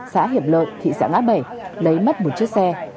xã hiệp lợi thị xã ngã bảy lấy mất một chiếc xe